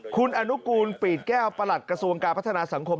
คุณอนุกูลปีดแก้วประหลัดกระทรวงการพัฒนาสังคม